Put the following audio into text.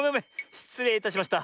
しつれいいたしました。